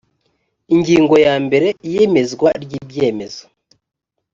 ingingo ya mbere iyemezwa ry ibyemezo